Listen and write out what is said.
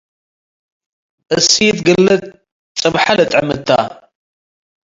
እሲት ግልት ጽብሐ ልጥዕም እተ።